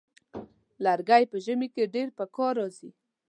لرګی په ژمي کې ډېر پکار راځي.